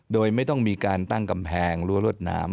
โดยไม่ต้องมีการตั้งกำแพงรั้วรวดหนาม